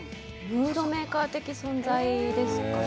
ムードメーカー的な存在ですかね。